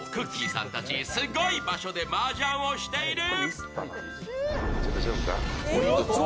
さんたちすごい場所でマージャンをしている！